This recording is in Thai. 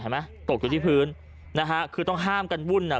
ตกอยู่ที่พื้นนะฮะคือต้องห้ามกันวุ่นอ่ะ